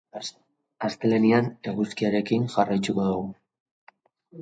Astelehenean eguzkiarekin jarraituko dugu.